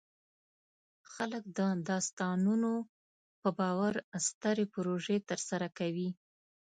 خلک د داستانونو په باور سترې پروژې ترسره کوي.